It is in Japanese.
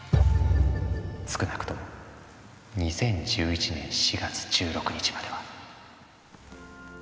少なくとも２０１１年４月１６日までは。